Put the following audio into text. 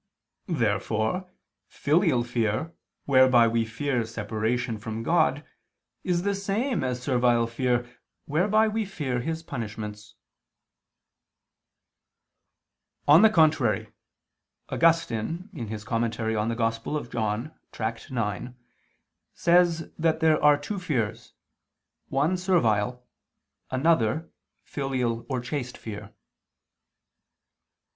Therefore filial fear, whereby we fear separation from God, is the same as servile fear whereby we fear His punishments. On the contrary, Augustine (In prim. canon. Joan. Tract. ix) says that there are two fears, one servile, another filial or chaste fear.